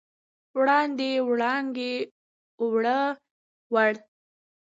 وړاندې، وړانګې، اووړه، وړ